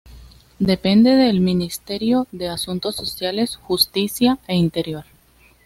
Depende del Ministerio de Asuntos Sociales, Justicia e Interior.